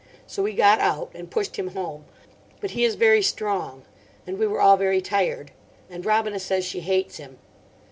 So we got out. And pushed him home. But he is very strong. And we were all very tired. And Robina says she hates him.